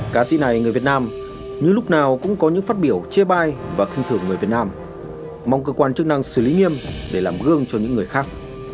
cá sĩ này người việt nam như lúc nào cũng có những phát biểu chê bai và khinh thử người việt nam mong cơ quan chức năng xử lý nghiêm để làm gương cho những người khác